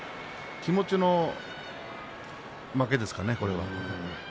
気持ちの負けですかね。